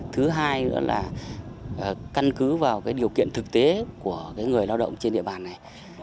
thứ hai nữa là căn cứ vào cái điều kiện thực tế của người lao động trên địa bàn này